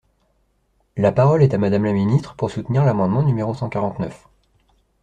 La parole est à Madame la ministre, pour soutenir l’amendement numéro cent quarante-neuf.